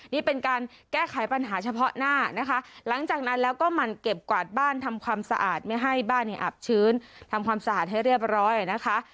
นี่เป็นการแก้ไขปัญหาเฉพาะหน้านะคะหลังจากนั้นแล้วก็หมั่นเก็บกวาดบ้านทำความสะอาดไม่ให้บ้านเนี่ยอับชื้นทำความสะอาดให้เรียบร้อยนะคะ